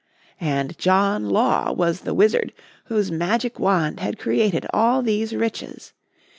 And John Law was the wizard whose magic wand had created all these riches.